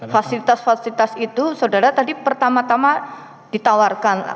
fasilitas fasilitas itu saudara tadi pertama tama ditawarkan